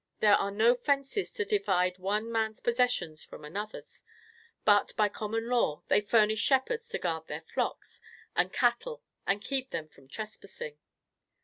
There are no fences to divide one man's possessions from another's; but, by common law, they furnish shepherds to guard their flocks and cattle and keep them from trespassing.